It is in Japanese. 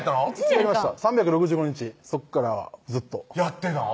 やりました３６５日そこからずっとやってたん？